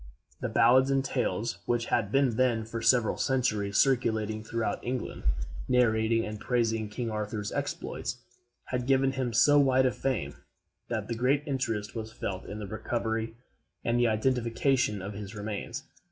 The ballads and tales which had been then, for several centuries, circulating throughout England, narrating and praising King Arthur's exploits, had given him so wide a fame, that great interest was felt in the recovery and the identification of his remains.